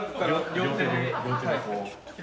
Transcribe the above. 両手で。